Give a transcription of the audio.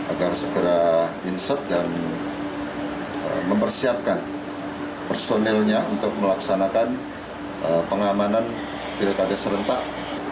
agar segera insert dan mempersiapkan personelnya untuk melaksanakan pengamanan pilkada serentak